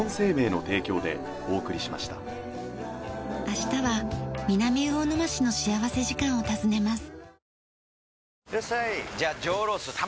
明日は南魚沼市の幸福時間を訪ねます。